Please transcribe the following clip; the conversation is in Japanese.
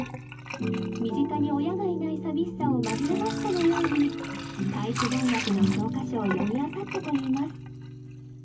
身近に親がいない寂しさを紛らわすかのように体育大学の教科書を読みあさったといいます